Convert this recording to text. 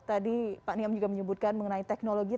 tadi pak niam juga menyebutkan mengenai teknologi